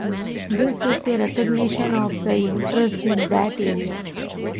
'This is a recognition of the interest in that area.